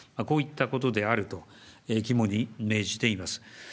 こういったことであると肝に銘じています。